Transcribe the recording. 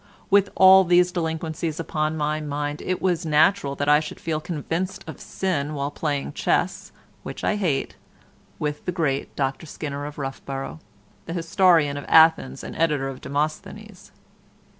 With all these delinquencies upon my mind it was natural that I should feel convinced of sin while playing chess (which I hate) with the great Dr Skinner of Roughborough—the historian of Athens and editor of Demosthenes.